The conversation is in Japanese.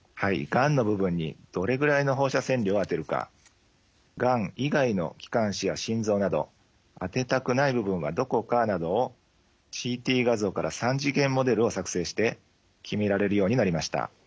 がんの部分にどれぐらいの放射線量を当てるかがん以外の気管支や心臓など当てたくない部分はどこかなどをＣＴ画像から３次元モデルを作成して決められるようになりました。